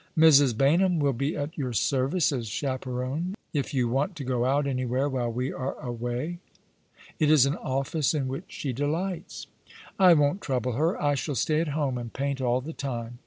" Mrs. Baynham will bo at your service as chaperon if you want to go out anywhere while we are away. It is an office in which she delights." "I won't trouble her. I shall stay at home, and paint all the time.